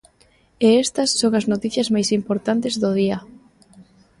E estas son as noticias máis importantes do día.